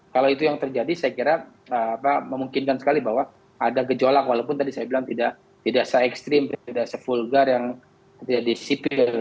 kalau itu yang terjadi saya kira memungkinkan sekali bahwa ada gejolak walaupun tadi saya bilang tidak se ekstrim tidak se vulgar yang tidak disipil